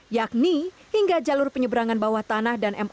yakni hingga jalur penyebrangan bawah tanah dan mrt rampung